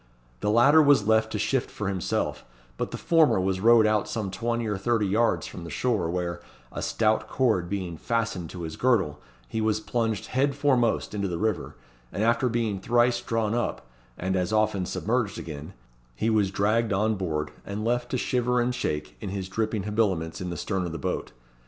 The latter was left to shift for himself, but the former was rowed out some twenty or thirty yards from the shore, where, a stout cord being fastened to his girdle, he was plunged head foremost into the river; and after being thrice drawn up, and as often submerged again, he was dragged on board, and left to shiver and shake in his dripping habiliments in the stern of the boat.